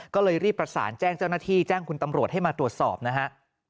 ก็เลยรีบประสานแจ้งเจ้าหน้าที่แจ้งคุณตำรวจให้มาตรวจสอบนะฮะ